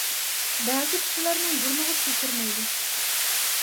بەزى كىشىلەرنىڭ بۇرنىغا سۇ كىرمەيدۇ.